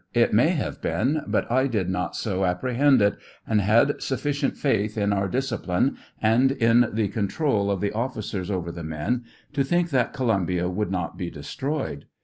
It may have been, hut I did not so apprehend it, and had sufficient faith in our discipline, and in the control of the officers over the men, to think that Co lumbia would not be destroyed.